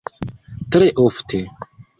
Tre ofte.